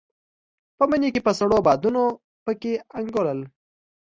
په مني کې به سړو بادونو په کې انګولل.